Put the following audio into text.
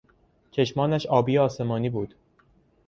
چشمانش آبی آسمانی بود.